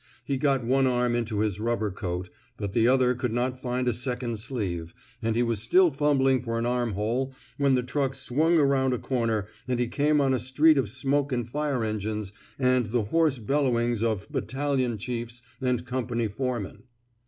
He got one arm into his rubber coat, but the other could not find a second sleeve, and he was still fumbling for an arm hole when the truck swung around a corner and he came on a street of smoke and fire engines and the hoarse bellowings of battal ion chiefs and company foremen.